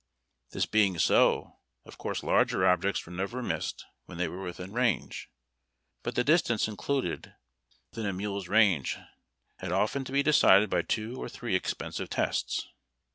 This being so, of course larger objects were never missed when they were within range. But the distance included within a mule's range had often to be decided by two or three expensive tests.